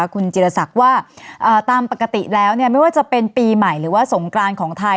คุณจิรศักดิ์ว่าตามปกติแล้วไม่ว่าจะเป็นปีใหม่หรือว่าสงกรานของไทย